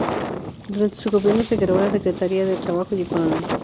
Durante su gobierno se creó la "Secretaría de Trabajo y Economía".